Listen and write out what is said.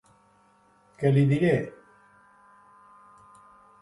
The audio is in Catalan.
Què li diré?